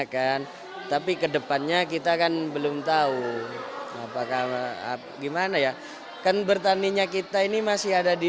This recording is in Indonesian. kan tapi kedepannya kita kan belum tahu apakah gimana ya kan bertaninya kita ini masih ada di